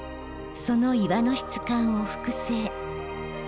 その岩の質感を複製。